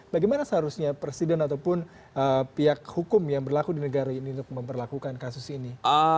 bagaimana seharusnya presiden ataupun pihak hukum yang berlaku di negara ini untuk memperlakukan kasus ini